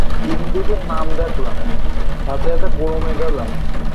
এইযে, ক্রেগ, ভিতরে এসো।